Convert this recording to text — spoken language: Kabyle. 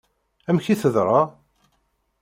Amek i teḍṛa?